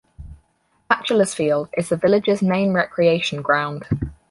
Batchelor's Field is the village's main recreation ground.